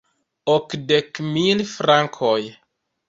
Okdek mil frankoj!